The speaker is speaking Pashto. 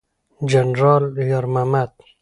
جنرال یار محمد